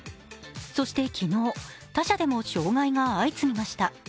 そして昨日、他社でも障害が相次ぎました。